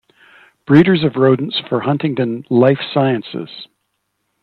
Breeders of Rodents for Huntingdon Life Sciences.